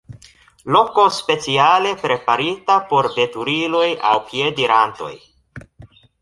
Loko speciale preparita por veturiloj aŭ piedirantoj.